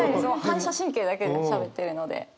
もう反射神経だけでしゃべってるので。